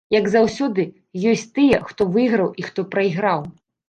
Як заўсёды, ёсць тыя, хто выйграў і хто прайграў.